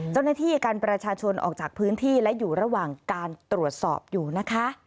เจ้าหน้าที่กันประชาชนออกจากพื้นที่และอยู่ระหว่างการตรวจสอบอยู่นะคะ